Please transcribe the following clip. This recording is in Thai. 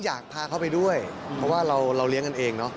อยากพาเขาไปด้วยเพราะว่าเราเลี้ยงกันเองเนอะ